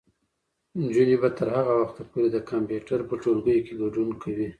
نجونې به تر هغه وخته پورې د کمپیوټر په ټولګیو کې ګډون کوي.